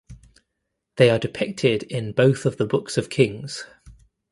They are depicted in both of the Books of Kings.